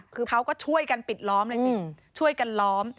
คือเขาก็ช่วยกันปิดล้อมเลยสิช่วยกันล้อม